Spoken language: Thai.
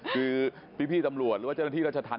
คือพี่ตำรวจหรือว่าเจ้าหน้าที่รัชธรรม